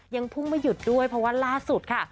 ยังพุ่งไม่หยุดด้วยเพราะว่าล่าสุดค่ะ